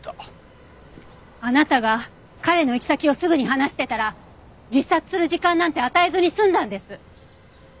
あなたが彼の行き先をすぐに話してたら自殺する時間なんて与えずに済んだんです！